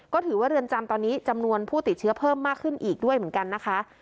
ก็ถือว่าเรือนจำตอนนี้จำนวนผู้ติดเชื้อเพิ่มมากขึ้นอีกด้วยเหมือนกันนะคะ